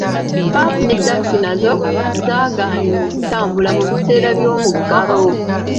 Bbaasi ne ttakisi nazo zaagaanibwa okutambula mu biseera by'omuggalo.